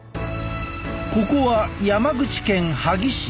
ここは山口県萩市。